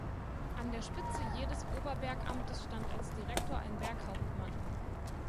An der Spitze jedes Oberbergamtes stand als Direktor ein Berghauptmann.